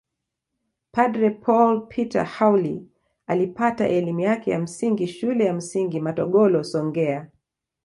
Padre Paul Peter Haule alipata elimu yake ya msingi shule ya msingi matogolo songea